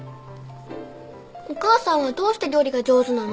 お母さんはどうして料理が上手なの？